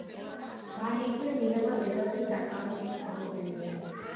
მან იქვე მიიღო დედოფლის დაკავების ორდერი.